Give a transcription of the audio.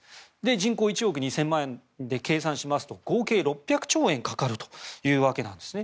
人口１億２０００万人で計算しますと合計６００兆円かかるわけなんですね。